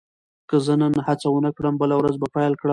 که زه نن هڅه ونه کړم، بله ورځ به پیل کړم.